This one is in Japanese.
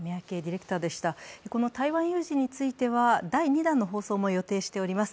この台湾有事については第２弾の放送も予定しております。